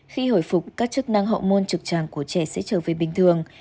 khi hồi phục các chức năng hậu môn trực tràng của trẻ sẽ trở về bình thường